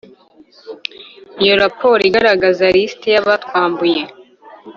iyo raporo igaragaza lisiti y’abatwambuye